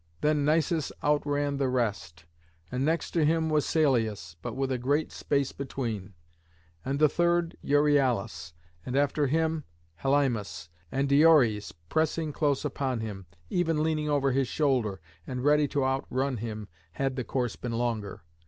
Then Nisus outran the rest; and next to him was Salius, but with a great space between, and the third Euryalus; and after him Helymus, and Diores pressing close upon him, even leaning over his shoulder and ready to outrun him had the course been longer.